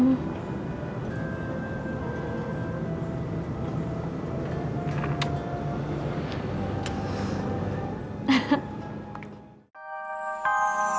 kau mau sekuat ya